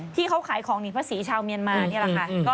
ที่เขาขายของหนีภาษีชาวเมียนมานี่แหละค่ะ